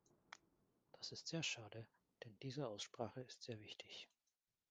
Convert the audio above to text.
Das ist sehr schade, denn diese Aussprache ist sehr wichtig.